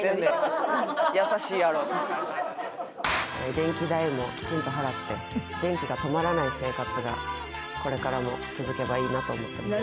電気代もきちんと払って電気が止まらない生活がこれからも続けばいいなと思ってます。